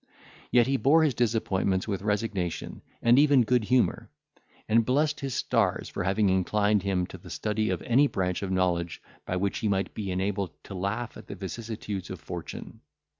Yet he bore his disappointments with resignation, and even good humour, and blessed his stars for having inclined him to the study of any branch of knowledge by which he might be enabled to laugh at the vicissitudes of fortune.